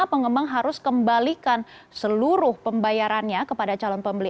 pengembang harus kembalikan seluruh pembayarannya kepada calon pembeli